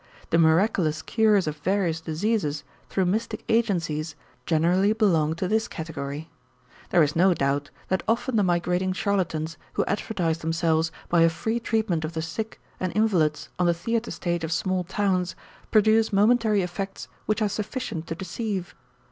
The miraculous cures of various diseases through mystic agencies generally belong to this category. There is no doubt that often the migrating charlatans who advertise themselves by a free treatment of the sick and invalids on the theater stage of small towns, produce momentary effects which are sufficient to deceive.